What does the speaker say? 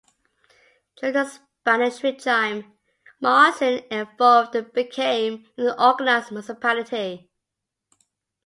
During the Spanish regime, Maasin evolved and became an organized municipality.